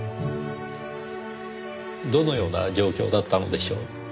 どのような状況だったのでしょう？